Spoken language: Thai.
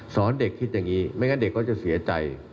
สอนเด็กคิดอย่างนี้ไม่งั้นเด็กก็จะเสียใจ